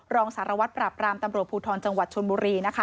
รองสารวัตรปราบรามตำรวจภูทรจังหวัดชนบุรี